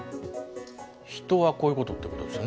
人はこういうことっていうことですよね。